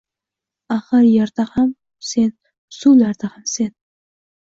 Axir, yerda ham – sen, suvlarda ham – sen.